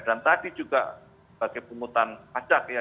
dan tadi juga bagi pemutaran pajak ya